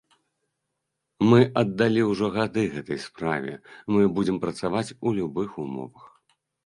Мы аддалі ўжо гады гэтай справе, мы будзем працаваць у любых умовах.